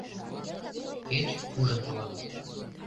Кеч ужын толам.